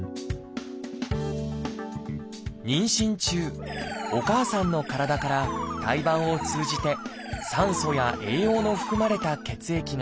妊娠中お母さんの体から胎盤を通じて酸素や栄養の含まれた血液が送られます。